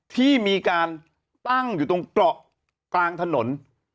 ที่มีการตั้งอยู่ตรงเกราะกลางถนน